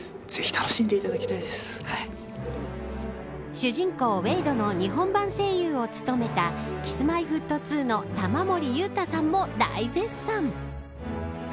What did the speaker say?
主人公ウェイドの日本版声優を務めたＫｉｓ‐Ｍｙ‐Ｆｔ２の玉森裕太さんも大絶賛。